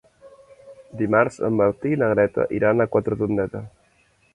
Dimarts en Martí i na Greta iran a Quatretondeta.